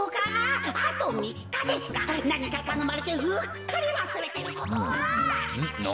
あとみっかですがなにかたのまれてうっかりわすれてることはありませんか？」。